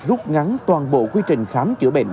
lúc ngắn toàn bộ quy trình khám chữa bệnh